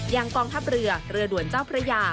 อย่างกองทัพเรือเหลือด่วนเจ้าพระยา